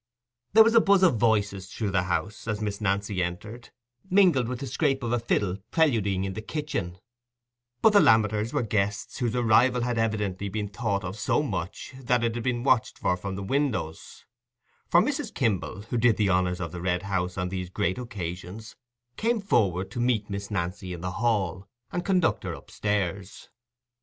There was a buzz of voices through the house, as Miss Nancy entered, mingled with the scrape of a fiddle preluding in the kitchen; but the Lammeters were guests whose arrival had evidently been thought of so much that it had been watched for from the windows, for Mrs. Kimble, who did the honours at the Red House on these great occasions, came forward to meet Miss Nancy in the hall, and conduct her up stairs.